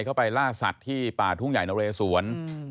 เข้าไปล่าสัตว์ที่ป่าทุ่งใหญ่นเรสวน